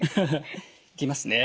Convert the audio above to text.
いきますね。